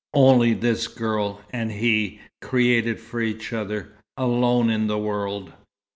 Only this girl and he, created for each other, alone in the world.